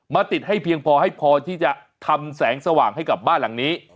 ติดให้เพียงพอให้พอที่จะทำแสงสว่างให้กับบ้านหลังนี้